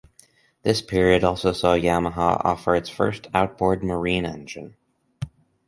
This period also saw Yamaha offer its first outboard marine engine.